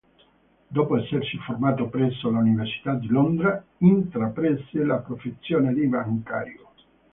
Dopo essersi formato presso l'Università di Londra intraprese la professione di bancario.